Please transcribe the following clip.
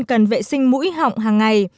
cần vệ sinh mũi họng hàng ngày